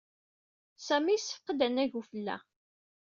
Sami yessefqed annag n ufella.